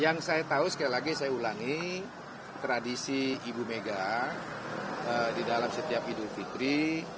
yang saya tahu sekali lagi saya ulangi tradisi ibu mega di dalam setiap idul fitri